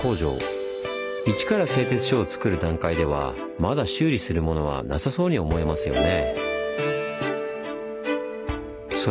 一から製鐵所をつくる段階ではまだ修理するものはなさそうに思えますよね。